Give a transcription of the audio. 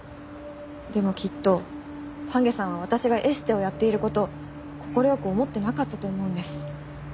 でもきっと丹下さんは私がエステをやっている事快く思ってなかったと思うんです。